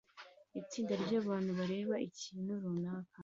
Itsinda ryabantu bareba ikintu runaka